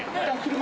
車